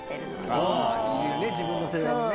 自分の世代のね。